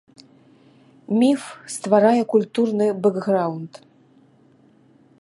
Міф стварае культурны бэкграўнд.